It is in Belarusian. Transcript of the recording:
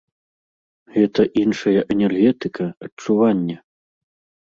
Гэта іншая энергетыка, адчуванне.